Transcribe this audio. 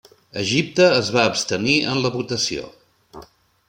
Egipte es va abstenir en la votació.